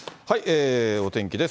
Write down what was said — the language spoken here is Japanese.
お天気です。